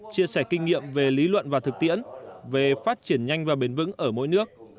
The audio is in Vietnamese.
chia sẻ kinh nghiệm về lý luận và thực tiễn về phát triển nhanh và bền vững ở mỗi nước